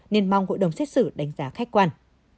nên mong hội đồng xét xử đánh giá khách quan